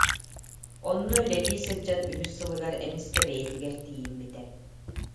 Онно үлэлии сылдьан үһүс сылыгар эмискэ бэйэтигэр тиийиммитэ